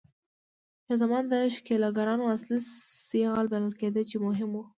شاه زمان د ښکېلاګرانو اصلي سیال بلل کېده چې مهم و.